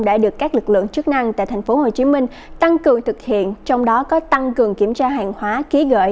đã được các lực lượng chức năng tại tp hcm tăng cường thực hiện trong đó có tăng cường kiểm tra hàng hóa ký gợi